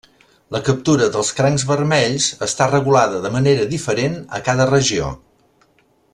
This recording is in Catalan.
La captura dels crancs vermells està regulada de manera diferent a cada regió.